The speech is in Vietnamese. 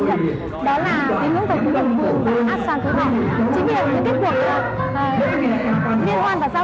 đó là tỉnh lương thổ thủy đồng vương và a sản thủy học